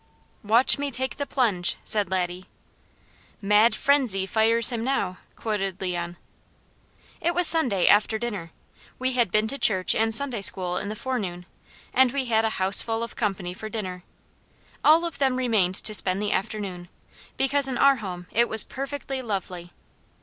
"Watch me take the plunge!" said Laddie. "'Mad frenzy fires him now,'" quoted Leon. It was Sunday after dinner. We had been to church and Sunday school in the forenoon, and we had a houseful of company for dinner. All of them remained to spend the afternoon, because in our home it was perfectly lovely.